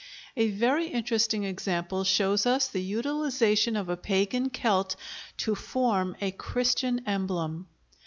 A very interesting example shows us the utilization of a pagan celt to form a Christian emblem.